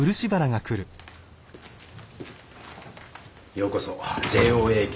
ようこそＪＯＡＫ